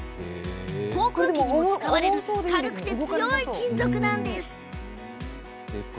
航空機にも使われる軽くて強い金属なんです。